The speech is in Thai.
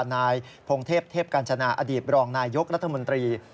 นายพงเทพเทพกาญจนาอดีตรองนายยกรัฐมนตรี